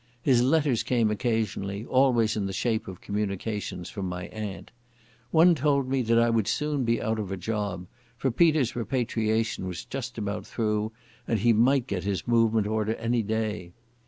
His letters came occasionally, always in the shape of communications from my aunt. One told me that I would soon be out of a job, for Peter's repatriation was just about through, and he might get his movement order any day.